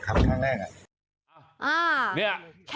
ขับทางแรก